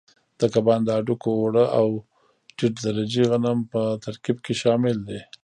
د کبانو د هډوکو اوړه او ټیټ درجې غنم په ترکیب کې شامل دي.